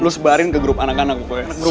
lo sebarin ke grup anak anak gue